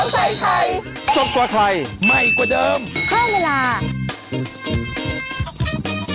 กล้วยทอด๒๐๓๐บาท